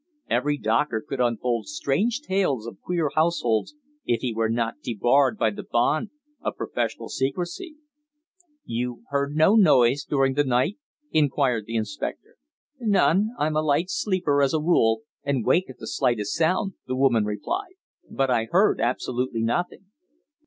Every doctor could unfold strange tales of queer households if he were not debarred by the bond of professional secrecy. "You heard no noise during the night?" inquired the inspector. "None. I'm a light sleeper as a rule, and wake at the slightest sound," the woman replied. "But I heard absolutely nothing."